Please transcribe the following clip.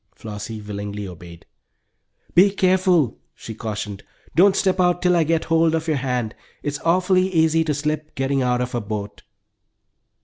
Flossie willingly obeyed. "Be careful!" she cautioned. "Don't step out till I get hold of your hand. It is awfully easy to slip getting out of a boat."